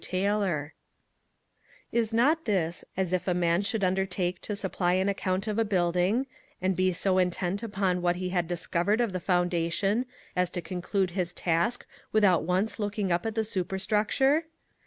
Taylor_. Is not this as if a man should undertake to supply an account of a building, and be so intent upon what he had discovered of the foundation, as to conclude his task without once looking up at the superstructure?